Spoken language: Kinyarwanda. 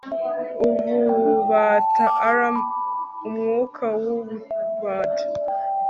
UBUBATA Rm umwuka w ububata